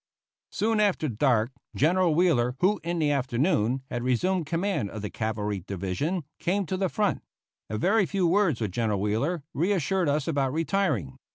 Soon after dark, General Wheeler, who in the afternoon had resumed command of the cavalry division, came to the front. A very few words with General Wheeler reassured us about retiring.